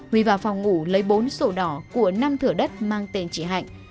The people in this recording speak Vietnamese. huy vào phòng ngủ lấy bốn sổ đỏ của năm thửa đất mang tên chị hạnh